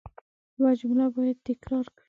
یو جمله باید تکرار کړئ.